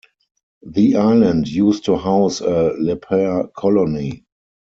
The island used to house a leper colony.